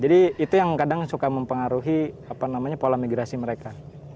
jadi itu yang kadang suka mempengaruhi pola migrasi mereka